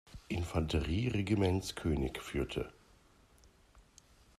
Infanterie-Regiments „König“ führte.